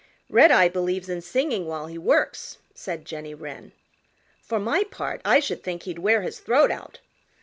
"Redeye believes in singing while he works," said Jenny Wren. "For my part I should think he'd wear his throat out.